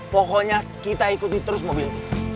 pokoknya kita ikuti terus mobil